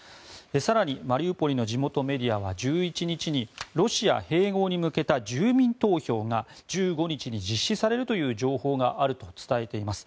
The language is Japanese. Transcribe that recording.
更にマリウポリの地元メディアは１１日にロシア併合に向けた住民投票が１５日に実施されるという情報があると伝えています。